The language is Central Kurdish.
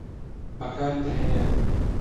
بەکاری دەهێنێت